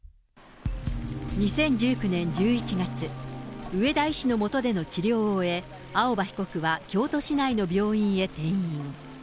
２０１９年１１月、上田医師のもとでの治療を終え、青葉被告は京都市内の病院へ転院。